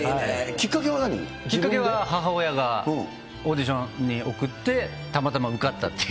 きっかけはきっかけは母親がオーディションに送って、たまたま受かったっていう。